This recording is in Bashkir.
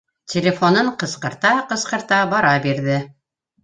Телефонын ҡысҡырта-ҡысҡырта бара бирҙе.